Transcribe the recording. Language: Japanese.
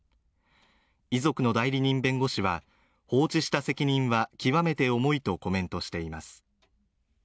遺族の代理人弁護士は放置した責任は極めて重いとコメントしています